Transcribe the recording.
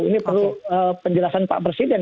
ini perlu penjelasan pak presiden